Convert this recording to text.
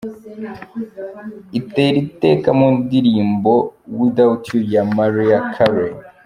Iteriteka mu ndirimbo "Without You ya Mariah Carey".